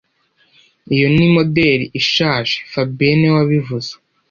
Iyo ni moderi ishaje fabien niwe wabivuze